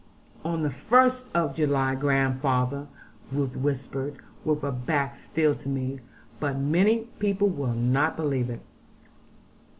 'On the first of July, grandfather,' Ruth whispered, with her back still to me; 'but many people will not believe it.'